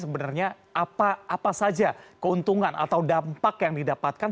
sebenarnya apa saja keuntungan atau dampak yang didapatkan